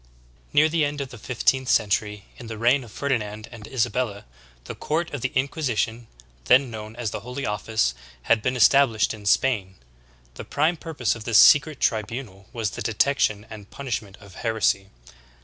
12. Near the end of the fifteenth century, in the reign of Ferdinand and Isabella, the court of the Inquisition, then known as the Holy Office, had been established in Spain. The prime purpose of this secret tribunal was the detection and punishment of heresy.